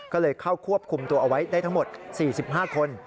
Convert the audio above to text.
ก็เลยเข้าควบคุมตัวเอาไว้ได้ทั้งหมด๔๕คน